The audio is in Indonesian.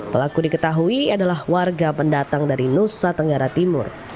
pelaku diketahui adalah warga pendatang dari nusa tenggara timur